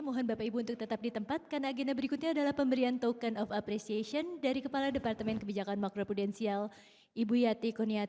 mohon bapak ibu untuk tetap di tempat karena agenda berikutnya adalah pemberian token of appreciation dari kepala departemen kebijakan makro prudensial ibu yati kuniati